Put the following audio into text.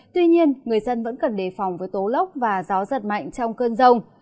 tuy nhiên người dân vẫn cần đề phòng với tố lốc và gió giật mạnh trong cơn rông